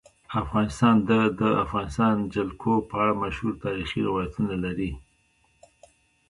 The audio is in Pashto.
افغانستان د د افغانستان جلکو په اړه مشهور تاریخی روایتونه لري.